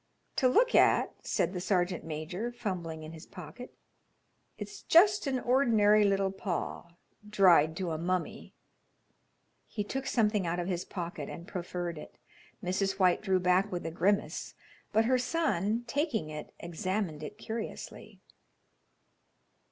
"To look at," said the sergeant major, fumbling in his pocket, "it's just an ordinary little paw, dried to a mummy." He took something out of his pocket and proffered it. Mrs. White drew back with a grimace, but her son, taking it, examined it curiously.